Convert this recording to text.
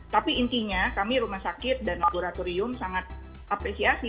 tapi intinya kami rumah sakit dan laboratorium sangat apresiasi